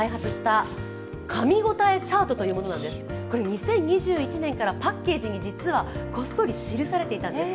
２０２１年からパッケージに実は記されていたんです。